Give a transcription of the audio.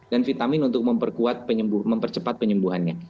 dan vitamin untuk memperkuat penyembuh mempercepat penyembuhannya